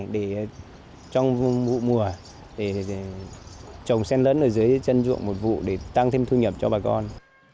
để trong vụ mùa để trồng sen lẫn ở dưới chân ruộng một vụ để tăng thêm thu nhập cho bà con